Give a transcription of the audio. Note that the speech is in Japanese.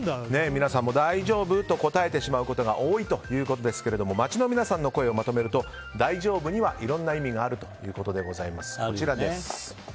皆さんも大丈夫と答えてしまうということが多いということですが街の皆さんの声をまとめると大丈夫にはいろんな意味があるということでございます。